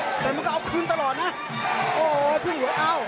วิสาอู๊ยแต่มันก็เอาคืนตลอดนะโอ้โหพี่หลวงอ้าว